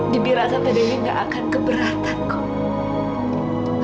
bibi rasa tadewi enggak akan keberatan kok